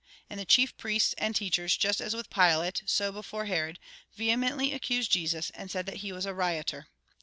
And the chief priests and teachers, just as with Pilate, so before Herod, vehemently accused Jesus, and said that he was a rioter.